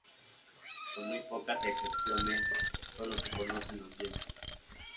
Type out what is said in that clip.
Con muy pocas excepciones, solo se conocen los dientes.